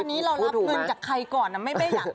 นั่นสิ